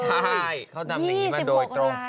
ใช่เขาทำอย่างนี้มาโดยตรง